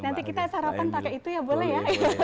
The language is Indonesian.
nanti kita sarapan pakai itu ya boleh ya